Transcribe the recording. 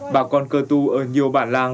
bà con cơ tu ở nhiều bản làng